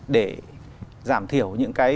để giảm thiểu những cái